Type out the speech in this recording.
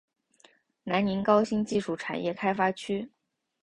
南宁高新技术产业开发区